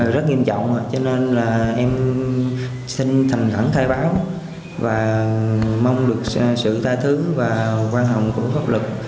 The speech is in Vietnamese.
rất nghiêm trọng cho nên là em xin thành thẳng thay báo và mong được sự tha thứ và quan hồng của pháp luật